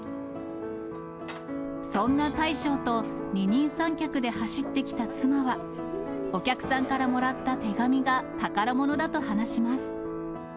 そんな大将と二人三脚で走ってきた妻は、お客さんからもらった手紙が宝物だと話します。